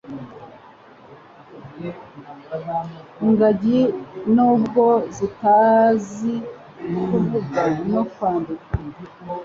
Ingagi n'ubwo zitazi kuvuga no kwandika